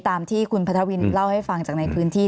ตามที่คุณพัทวินเล่าให้ฟังจากในพื้นที่